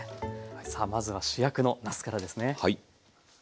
さあまずは主役のなすからですね。